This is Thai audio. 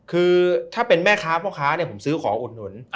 คือถ้าเป็นแม่ค้าพ่อค้าผมซื้อของอุดหนุน